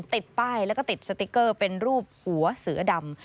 ติดป้ายแล้วก็ติดสติ๊กเกอร์เป็นรูปหัวเสือดำ